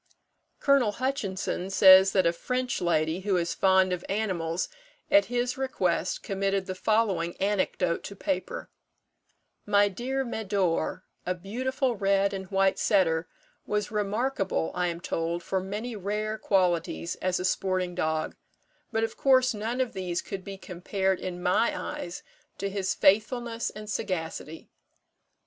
Col. Hutchinson says that a French lady, who is fond of animals, at his request committed the following anecdote to paper: "My dear Médor, a beautiful red and white setter, was remarkable, I am told, for many rare qualities as a sporting dog; but, of course, none of these could be compared, in my eyes, to his faithfulness and sagacity.